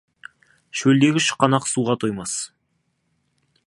Шөлдегі шұқанақ суға тоймас.